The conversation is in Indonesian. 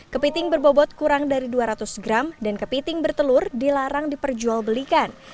kepiting berbobot kurang dari dua ratus gram dan kepiting bertelur dilarang diperjual belikan